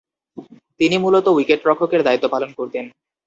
তিনি মূলতঃ উইকেট-রক্ষকের দায়িত্ব পালন করতেন।